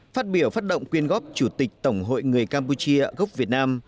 phát biểu phát động quyên góp chủ tịch tổng hội người campuchia gốc việt nam